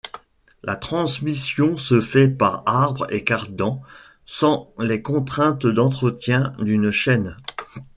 La transmission se fait par arbre et cardan, sans les contraintes d'entretien d'une chaîne.